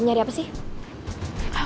nyari apa sih